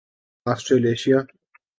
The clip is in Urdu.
آسٹریلیشیا